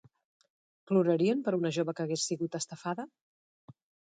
Plorarien per una jove que hagués sigut estafada?